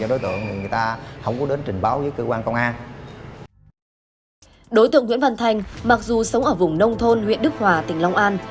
đối tượng nguyễn văn thành mặc dù sống ở vùng nông thôn huyện đức hòa tỉnh long an